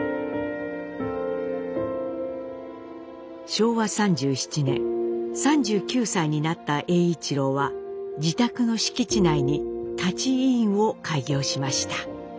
昭和３７年３９歳になった栄一郎は自宅の敷地内に「舘医院」を開業しました。